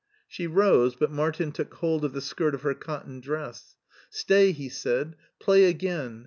She rose, but Martin took hold of the skirt of her cotton dress. "Stay," he said, "play again.